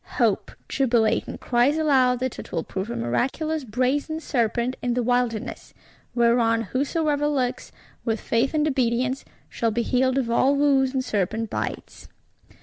Hope, jubilating, cries aloud that it will prove a miraculous Brazen Serpent in the Wilderness; whereon whosoever looks, with faith and obedience, shall be healed of all woes and serpent bites.